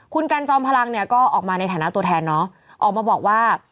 คุณกันจอมพลังเนี่ยก็ออกมาในฐานะตัวแทนเนอะออกมาบอกว่า